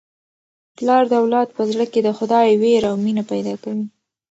پلار د اولاد په زړه کي د خدای وېره او مینه پیدا کوي.